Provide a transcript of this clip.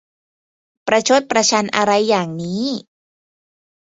ประชดประชันอะไรอย่างนี้ !